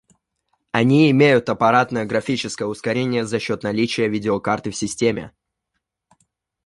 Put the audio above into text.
Они имеют аппаратное графическое ускорение за счёт наличия видеокарты в системе